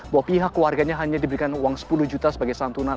bahwa pihak keluarganya hanya diberikan uang sepuluh juta sebagai santunan